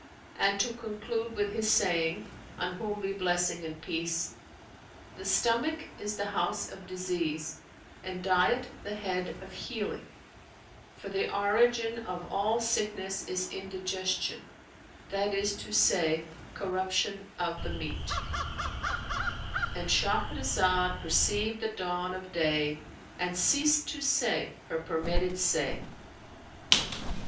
And to conclude with His saying (on whom be blessing and peace!), 'The stomach is the house of disease, and diet is the head of healing; for the origin of all sickness is indigestion, that is to say, corruption of the meat'"—And Shahrazad perceived the dawn of day and ceased to say her permitted say.